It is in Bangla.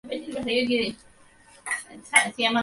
মেয়েটি হয়তো একটি পাঁড়-মাতাল ছেলের মুখ দেখিয়া মুগ্ধ হইল।